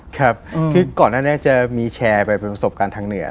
ครับคือก่อนหน้านี้จะมีแชร์ไปเป็นประสบการณ์ทางเหนือ